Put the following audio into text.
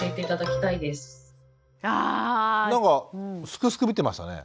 なんか「すくすく」見てましたね。